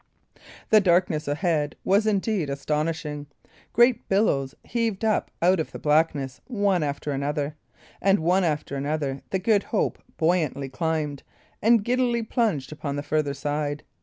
The darkness ahead was, indeed, astonishing. Great billows heaved up out of the blackness, one after another; and one after another the Good Hope buoyantly climbed, and giddily plunged upon the further side.